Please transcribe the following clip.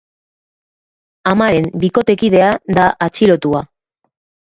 Amaren bikotekidea da atxilotua.